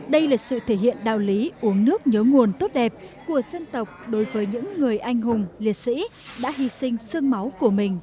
đây là sự thể hiện đạo lý uống nước nhớ nguồn tốt đẹp của dân tộc đối với những người anh hùng liệt sĩ đã hy sinh sương máu của mình